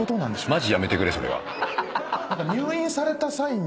マジやめてくれそれは。